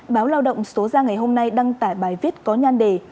báo lao động số ra ngày hôm nay đăng tải bài viết có nhan đề